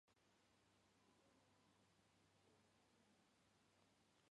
Ты кум теҥге дене кажне ийын шке шинчаужмыжым кумдаҥдаш коштын.